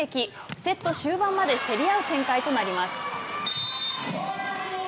セット終盤まで競り合う展開となります。